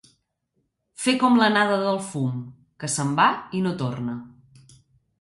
Fer com l'anada del fum, que se'n va i no torna.